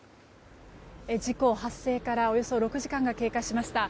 事故発生からおよそ６時間が経過しました。